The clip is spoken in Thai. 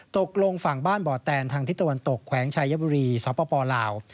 ฝั่งบ้านบ่อแตนทางทิศตะวันตกแขวงชายบุรีสปลาว